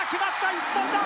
一本だ！